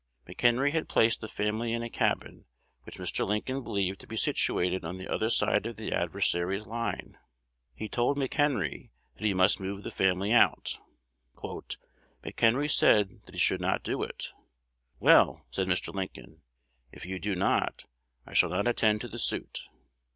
McHenry had placed a family in a cabin which Mr. Lincoln believed to be situated on the other side of the adversary's line. He told McHenry that he must move the family out. "McHenry said he should not do it. 'Well,' said Mr. Lincoln, 'if you do not, I shall not attend to the suit.'